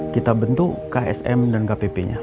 kita bentuk ksm dan kpp nya